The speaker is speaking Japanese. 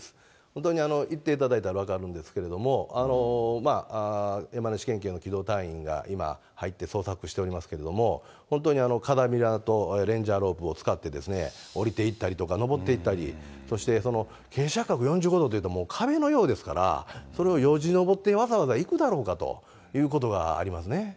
本当に行っていただいたら分かるんですけども、山梨県警の機動隊員が今、入って捜索しておりますけれども、本当にかたびらとレンジャーロープを使って下りて行ったり登っていったり、そして傾斜角４０メートルというと、壁のようですから、それをよじ登って行くだろうかということがあ